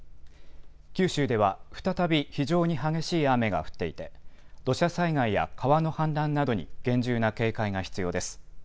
九州では再び非常に激しい雨が降っていて土砂災害や川の氾濫などに厳重な警戒が必要です。